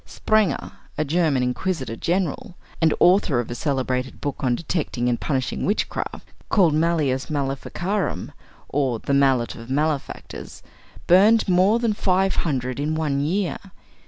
Sprenger, a German inquisitor general, and author of a celebrated book on detecting and punishing witchcraft, called Malleus Maleficarum, or "The Mallet of Malefactors," burned more than five hundred in one year.